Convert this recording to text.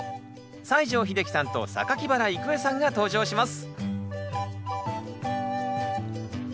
西城秀樹さんと原郁恵さんが登場します